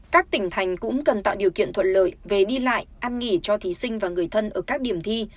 các tỉnh thành cũng cần tạo điều kiện thuận lợi về đi lại ăn nghỉ cho thí sinh và người thân ở các điểm thi